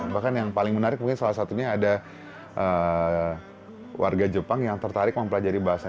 bahkan yang paling menarik mungkin salah satunya ada warga jepang yang tertarik mempelajari bahasa